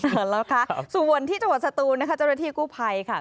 เห็นแล้วค่ะส่วนที่จังหวัดสตูนนะคะจำหน้าที่กู้ไพค่ะ